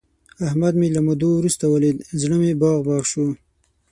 احمد مې له مودو ورسته ولید، زړه مې باغ باغ شو.